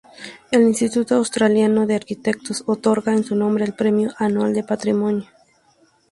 El Instituto Australiano de Arquitectos otorga en su nombre el Premio Anual de Patrimonio.